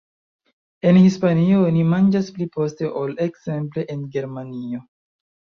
En Hispanio oni manĝas pli poste ol ekzemple en Germanio.